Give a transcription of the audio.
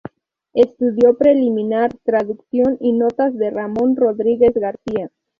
Estudio preliminar, traducción y notas de Ramón Rodríguez García.